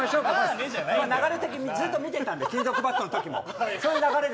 流れ的にずっと見てたんで金属バットのときも。